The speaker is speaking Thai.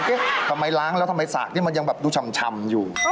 เท้ะทำไมล้างแล้วทำไมสักนี่ยังดูชำอยู่